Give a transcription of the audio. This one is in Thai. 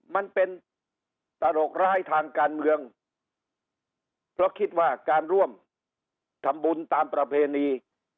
มันเป็นตลกร้ายทางการเมืองเพราะคิดว่าการร่วมทำบุญตามประเพณี